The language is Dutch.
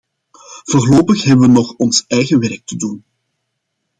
Voorlopig hebben we nog ons eigen werk te doen.